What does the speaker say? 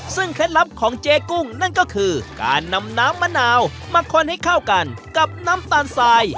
ซึ่งเคล็ดลับของเจ๊กุ้งนั่นก็คือการนำน้ำมะนาวมาคนให้เข้ากันกับน้ำตาลทราย